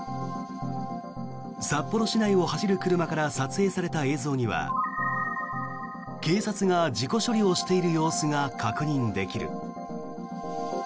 札幌市内を走る車から撮影された映像には警察が事故処理をしている様子が確認できる。